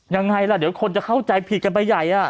ยังไงล่ะเดี๋ยวคนจะเข้าใจผิดกันไปใหญ่